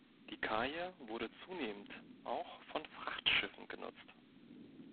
Die Kaje wurde zunehmend auch von Frachtschiffen genutzt.